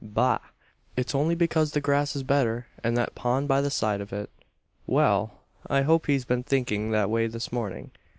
Bah! It's only because the grass is better, and that pond by the side of it. Well! I hope he's been thinking that way this morning.